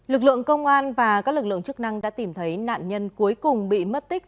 lực lượng công an và các lực lượng chức năng đã tìm thấy nạn nhân cuối cùng bị mất tích